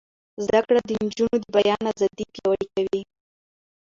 زده کړه د نجونو د بیان ازادي پیاوړې کوي.